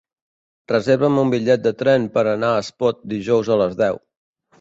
Reserva'm un bitllet de tren per anar a Espot dijous a les deu.